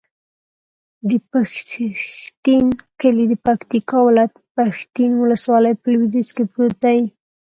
د پښتین کلی د پکتیکا ولایت، پښتین ولسوالي په لویدیځ کې پروت دی.